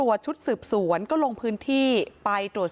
เบอร์ลูอยู่แบบนี้มั้งเยอะมาก